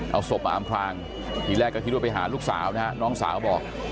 เอาศพมาอามคลางอีกแรกก็ทิ้งด้วยไปหาลูกสาวนะน้องสาวก็บอก